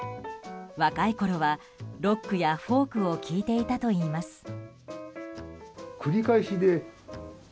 若いころはロックやフォークを聴いていたといいます。